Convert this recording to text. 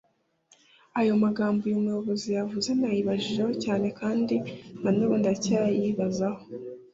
Ayo magambo uyu muyobozi yavuze nayibajijeho cyane kandi na nubu ndacyayibazaho